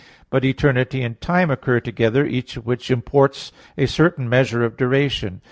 But eternity and time occur together, each of which imports a certain measure of duration.